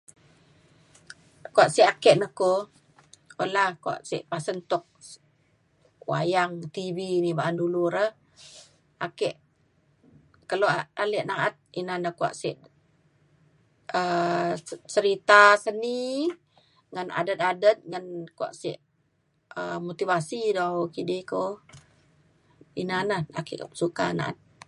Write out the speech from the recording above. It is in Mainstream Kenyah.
kuak sek ake ne ko kula kuak sek pasen tuk s- wayang TV ni ba’an dulu re ake kelo ale na’at ina na kuak sek um se- serita seni ngan adet adet ngan kuak sek um motivasi dau kidi ko ina na ake suka na’at.